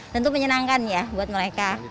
dan itu menyenangkan ya buat mereka